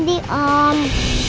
jadi makanan kualitas lounge